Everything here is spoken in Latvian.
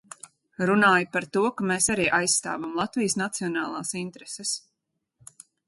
Runāja par to, ka mēs arī aizstāvam Latvijas nacionālās intereses.